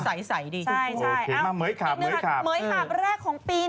แต่ว่าป้าเพราะนั้นก็ดูหน้าไม่เปลี่ยนเลยนะ